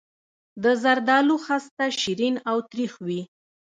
د زردالو خسته شیرین او تریخ وي.